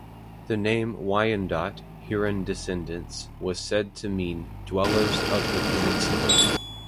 The name Wyandotte, Huron descendants, was said to mean "dwellers of the peninsula".